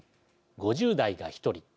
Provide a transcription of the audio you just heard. ５０代が１人。